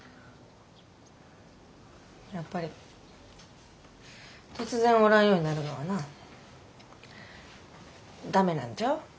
やっぱり突然おらんようになるのはなダメなんちゃう？